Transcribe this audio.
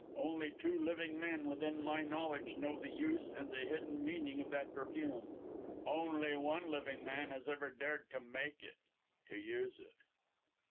Only two living men within my knowledge know the use and the hidden meaning of that perfume; only one living man has ever dared to make it to use it...."